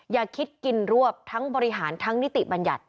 อย่าคิดกินรวบทั้งบริหารทั้งนิติบัญญัติ